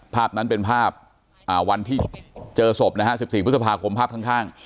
ภาพนั้นเป็นภาพวันที่เจอศพนะฮะ๑๔พฤษภาคมภาพข้าง